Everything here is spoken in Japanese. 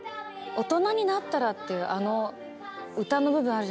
「大人になったら」っていう歌の部分あるじゃないですか。